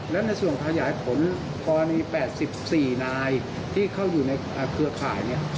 แล้วในส่วนท้ายายผลพอมีแปดสิบสี่นายที่เข้าอยู่ในเครือข่ายเนี่ย